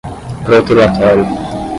protelatório